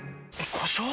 故障？